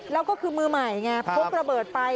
แล้วก็คือมือใหม่ไงพกระเบิดไป